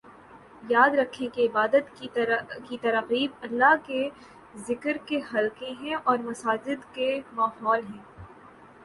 یاد رکھیں عبادت کی تراغیب اللہ کے ذکر کے حلقے ہیں اور مساجد کے ماحول ہیں